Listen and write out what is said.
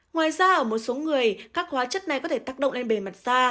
ngoài ra ở một số người các hóa chất này có thể tác động lên bề mặt da